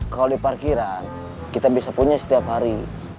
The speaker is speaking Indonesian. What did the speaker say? kalau di parkiran kita bisa punya setiap hari